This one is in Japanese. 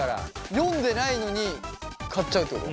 読んでないのに買っちゃうってこと？